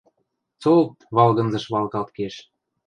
Цо-олт валгынзыш валгалт кеш.